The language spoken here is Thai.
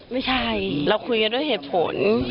ไม่ใช่เราคุยกันด้วยเหตุผล